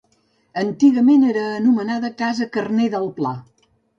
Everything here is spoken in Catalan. Antigament era anomenada Casa Carner del Pla.